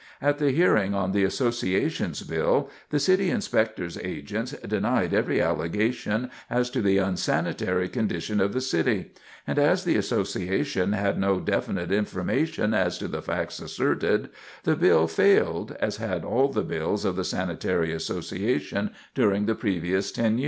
At the hearing on the Association's bill, the City Inspector's agents denied every allegation as to the unsanitary condition of the city, and as the Association had no definite information as to the facts asserted, the bill failed, as had all the bills of the Sanitary Association during the previous ten years.